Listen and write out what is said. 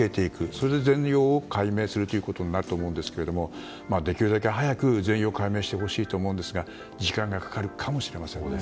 それで全容を解明することになると思うんですができるだけ早く全容解明をしてほしいと思うんですが時間がかかるかもしれません。